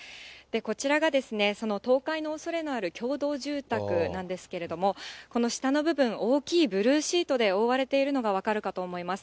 こちらがですね、その倒壊のおそれのある共同住宅なんですけれども、この下の部分、大きいブルーシートで覆われているのが分かるかと思います。